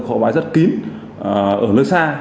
kho bãi rất kín ở nơi xa